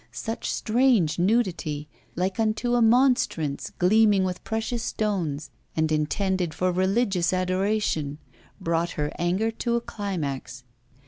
Such strange nudity like unto a monstrance gleaming with precious stones and intended for religious adoration brought her anger to a climax.